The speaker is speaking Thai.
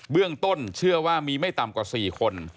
เรื่องต้นเชื่อว่ามีไม่ต่ำกว่า๔คน